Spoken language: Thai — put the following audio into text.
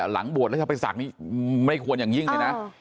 หลังบวชแล้วจะไปศักดิ์ไม่ควรอย่างยิ่งเลยนะ